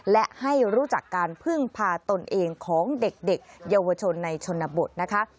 และให้รู้จักการพึ่งพาตนเองของเด็กเยาวชนในชนบทนะคะ